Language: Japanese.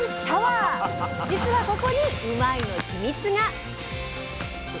じつはここにうまいッ！の秘密が！